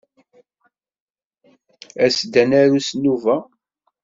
As-d ad naru s nnuba.